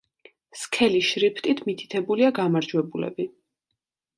სქელი შრიფტით მითითებულია გამარჯვებულები.